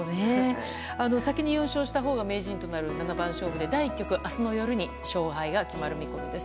先に４勝したほうが名人となる七番勝負で第１局、明日の夜に勝敗が決まる見込みです。